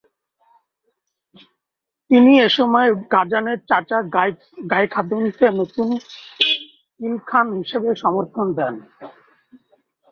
তিনি এসময় গাজানের চাচা গাইখাতুকে নতুন ইলখান হিসেবে সমর্থন দেন।